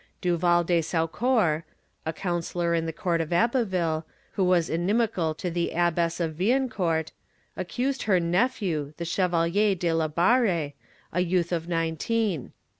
Duval de Saucourt, a counsellor in the court of Abbeville, who was inimical to the Abbess of Villancourt, accused her nephew, the Chevalier de la Barre, a youth of nineteen.